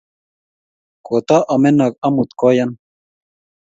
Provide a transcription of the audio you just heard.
koto omenok omu koyan